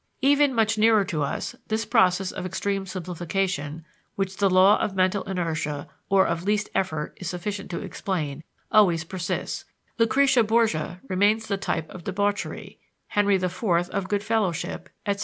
Even much nearer to us, this process of extreme simplification which the law of mental inertia or of least effort is sufficient to explain always persists: Lucretia Borgia remains the type of debauchery, Henry IV of good fellowship, etc.